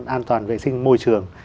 an toàn vệ sinh môi trường